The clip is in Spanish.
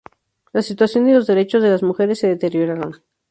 La situación y los derechos de las mujeres se deterioraron.